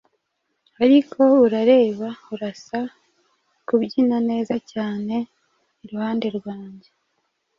Ariko urareba, urasa kubyina neza cyane iruhande rwanjye